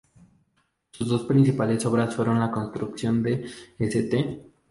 Sus dos principales obras fueron la construcción de St.